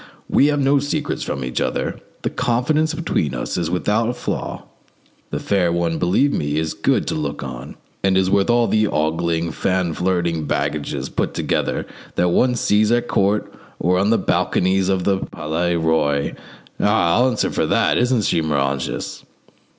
"We have no secrets from each other; the confidence between us is without a flaw. The fair one, believe me, is good to look on, and is worth all the ogling, fan flirting baggages put together that one sees at court or on the balconies of the Palais Roy: ah! I'll answer for that. Isn't she, Moranges?"